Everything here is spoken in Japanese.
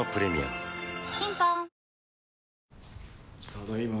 ただいま。